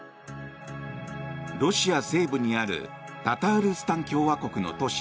ロシア西部にあるタタールスタン共和国の都市